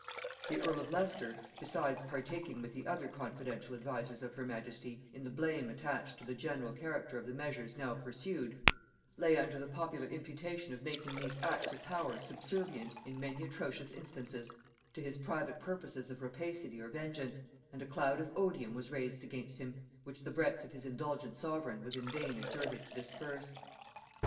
The earl of Leicester, besides partaking with the other confidential advisers of her majesty in the blame attached to the general character of the measures now pursued, lay under the popular imputation of making these acts of power subservient, in many atrocious instances, to his private purposes of rapacity or vengeance, and a cloud of odium was raised against him which the breath of his indulgent sovereign was in vain exerted to disperse.